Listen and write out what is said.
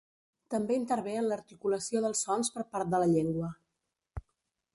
També intervé en l'articulació dels sons per part de la llengua.